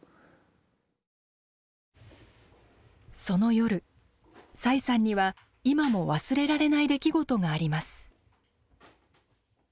その夜崔さんには今も忘れられない出来事があります。